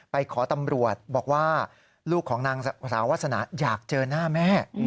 ไปขอตำรวจบอกว่าลูกของนางสาววาสนาอยากเจอหน้าแม่